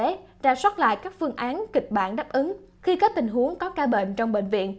trả soát lại các phương án kịch bản đáp ứng khi các tình huống có ca bệnh trong bệnh viện